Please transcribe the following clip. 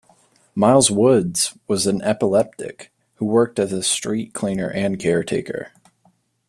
Miles Woods was an epileptic who worked as a street cleaner and caretaker.